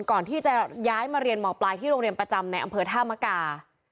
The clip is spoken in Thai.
ก่อนที่จะย้ายมาเรียนหมอปลายที่โรงเรียนประจำในอำเภอธามกา